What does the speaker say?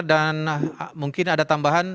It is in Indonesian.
dan mungkin ada tambahan